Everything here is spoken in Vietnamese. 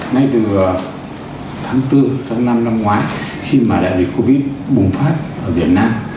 ngay từ tháng bốn tháng năm năm ngoái khi mà đại dịch covid bùng phát ở việt nam